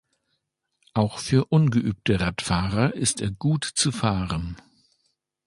Auch für ungeübte Radfahrer ist er gut zu fahren.